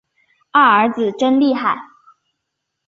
二儿子真厉害